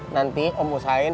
nanti om usahain